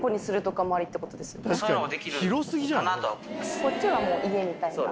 こっちはもう家みたいな。